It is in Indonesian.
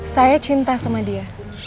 saya cinta sama dia